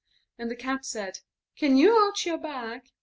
And the Cat said, "Can you set up your back?